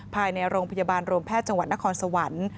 ภายในโรงพยาบาลรวมแพทย์จังหวัดนครสวรรค์